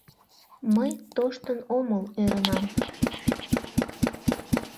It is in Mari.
Мый тоштын омыл, ӧрынам.